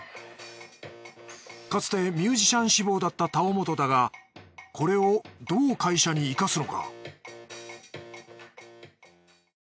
かつてミュージシャン志望だった峠本だがこれをどう会社に活かすのか？